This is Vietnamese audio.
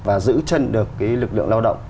và giữ chân được lực lượng lao động